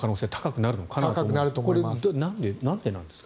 なんでなんですか？